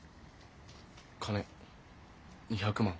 金２００万。